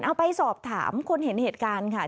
เอาไปสอบถามคนเห็นเหตุการณ์ค่ะ